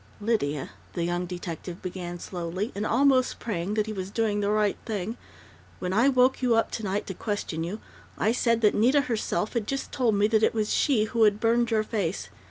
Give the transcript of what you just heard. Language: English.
"Lydia," the young detective began slowly, and almost praying that he was doing the right thing, "when I woke you up tonight to question you, I said that Nita herself had just told me that it was she who had burned your face....